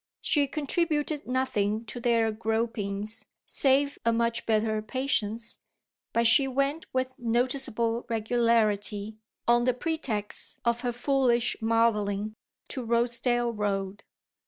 She contributed nothing to their gropings save a much better patience, but she went with noticeable regularity, on the pretext of her foolish modelling, to Rosedale Road.